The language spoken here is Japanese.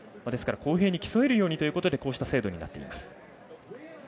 ですから公平に競えるようにということでこういったものになっています。